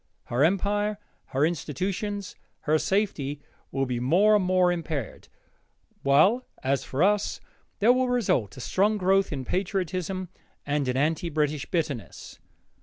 Her empire, her institutions, her safety, will be more and more impaired, while, as for us, there will result a strong growth in patriotism and in anti British bitterness.